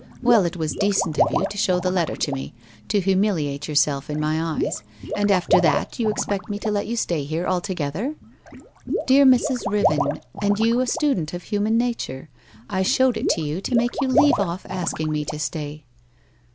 Well, it was decent of you to show the letter to me — to humiliate yourself in my eyes. And after that, you expect me to let you stay altogether ?'' Dear Mrs. Riven, and you a student of human nature ! I showed it to you to make you leave off asking me to stay.'